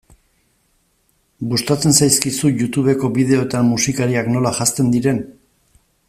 Gustatzen zaizkizu Youtubeko bideoetan musikariak nola janzten diren?